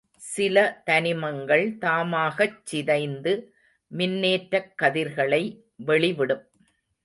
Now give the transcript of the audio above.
சில தனிமங்கள் தாமாகச் சிதைந்து மின்னேற்றக் கதிர்களை வெளிவிடும்.